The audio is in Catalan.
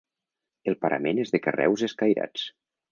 El parament és de carreus escairats.